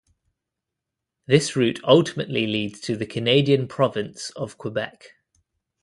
This route ultimately leads to the Canadian Province of Quebec.